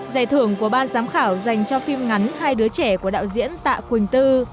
giải thưởng của ban giám khảo dành cho phim ngắn hai đứa trẻ của đạo diễn tạ quỳnh tư